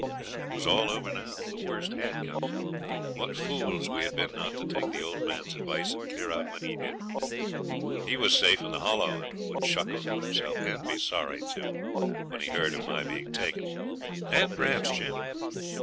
It was all over now the worst HAD come. What fools we had been not to take the old man's advice, and clear out when he did. He was safe in the Hollow, and would chuckle to himself and be sorry, too when he heard of my being taken, and perhaps Jim.